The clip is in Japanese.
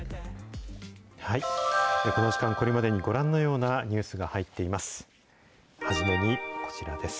この時間、これまでにご覧のようなニュースが入っています。